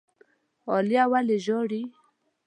عالیه ولي ژاړي؟